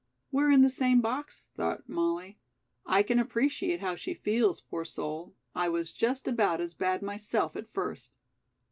"We're in the same box," thought Molly. "I can appreciate how she feels, poor soul. I was just about as bad myself at first."